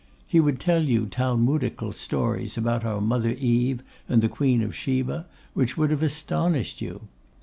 He would tell you Talmudical stories about our mother Eve and the Queen of Sheba, which would have astonished you.